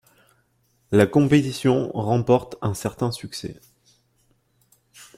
La compétition remporte un certain succès.